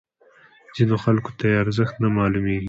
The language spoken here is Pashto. ځینو خلکو ته یې ارزښت نه معلومیږي.